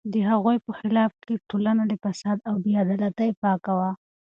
د هغوی په خلافت کې ټولنه له فساد او بې عدالتۍ پاکه وه.